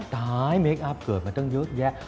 ตายเมคอัพเกิดมาตั้งเยอะแยะ